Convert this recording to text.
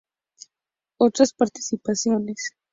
Otras Participaciones